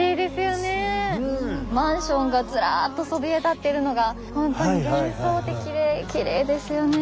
マンションがずらっとそびえ立ってるのが本当に幻想的できれいですよね。